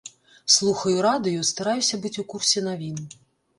Слухаю радыё, стараюся быць у курсе навін.